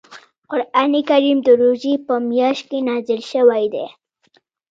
قران کریم د روژې په میاشت کې نازل شوی دی .